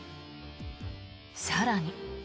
更に。